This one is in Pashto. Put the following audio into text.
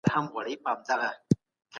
ايا عاجزي د رښتيني ايمان کمال دی؟